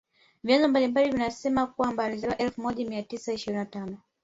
Vyanzo mbalimbali vinasema ya kwamba alizaliwa elfu moja mia tisa ishirini na tano